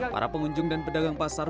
para pengunjung dan pedagang pasar